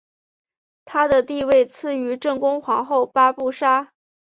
她的地位次于正宫皇后八不沙。